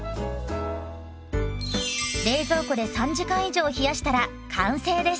冷蔵庫で３時間以上冷やしたら完成です。